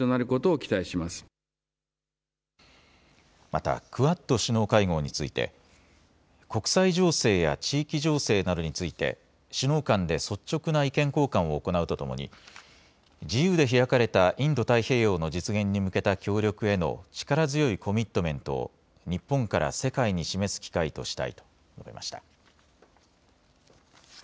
またクアッド首脳会合について国際情勢や地域情勢などについて首脳間で率直な意見交換を行うとともに自由で開かれたインド太平洋の実現に向けた協力への力強いコミットメントを日本から世界に示す機会としたいと述べました。